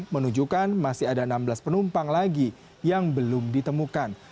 menunjukkan masih ada enam belas penumpang lagi yang belum ditemukan